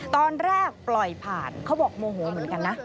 ตอนแรกปล่อยผ่านเขาบอกโมโหเหมือนกันนะ